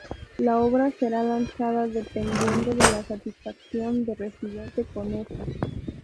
La obra será lanzada dependiendo de la satisfacción de Residente con esta.